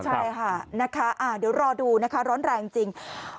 ใช่ค่ะนะคะเดี๋ยวรอดูนะคะร้อนแรงจริง